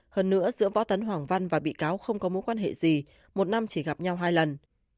hơn nữa giữa võ tấn hoàng văn và bị cáo không có mối quan hệ gì một năm chỉ gặp nhau hai lần